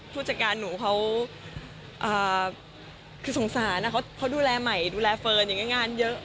ผู้จัดการหนูเขาคือสงสารเขาดูแลใหม่ดูแลเฟิร์นอย่างนี้งานเยอะ